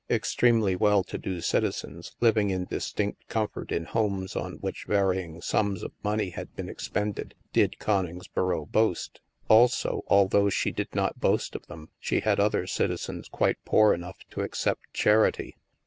Extremely well to do citizens, living in dis tinct comfort in homes on which varying sums of money had been expended, did Coningsboro boast. Also, although she did not boast of them, she had other citizens quite poor enough to accept charity.